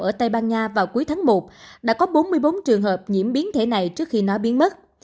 ở tây ban nha vào cuối tháng một đã có bốn mươi bốn trường hợp nhiễm biến thể này trước khi nó biến mất